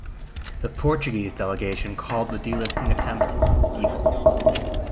The Portuguese delegation called the delisting attempt "feeble".